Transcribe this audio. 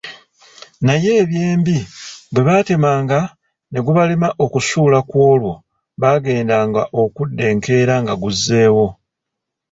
Naye eby’embi bwe baatemanga ne gubalema okusuula kw’olwo baagendanga okudda enkeera nga guzzeewo.